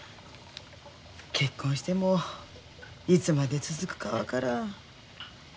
結婚してもいつまで続くか分からん。